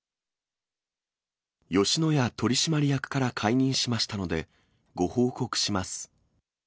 吉野家取締役から解任しましたので、ご報告します。